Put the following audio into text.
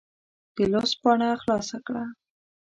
د لوست پاڼه خلاصه کړه.